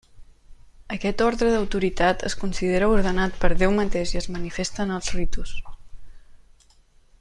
Aquest ordre d'autoritat es considera ordenat per Déu mateix i es manifesta en els ritus.